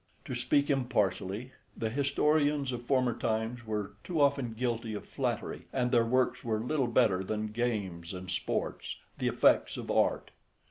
To speak impartially, the historians of former times were too often guilty of flattery, and their works were little better than games and sports, the effects of art.